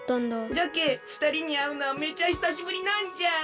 じゃけえふたりにあうのはめちゃひさしぶりなんじゃ！